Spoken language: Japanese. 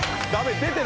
出てる。